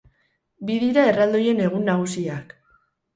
Bi dira erraldoien egun nagusiak.